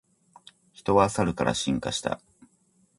人はサルから進化した